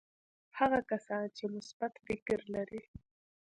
هغه کسان چې مثبت فکر لري.